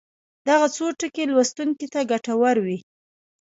دغه څو ټکي لوستونکو ته ګټورې وي.